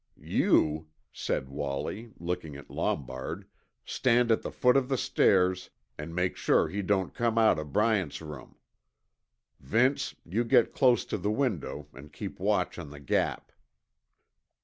"You," said Wallie, looking at Lombard, "stand at the foot of the stairs, an' make sure he don't come out of Bryant's room. Vince, you get close to the window an' keep watch on the Gap.